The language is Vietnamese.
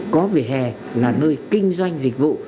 có vỉa hè là nơi kinh doanh dịch vụ